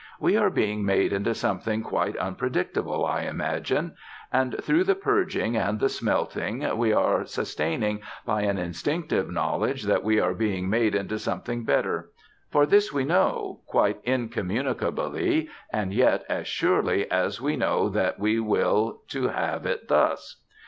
We are being made into something quite unpredictable, I imagine: and through the purging and the smelting, we are sustained by an instinctive knowledge that we are being made into something better. For this we know, quite incommunicably, and yet as surely as we know that we will to have it thus.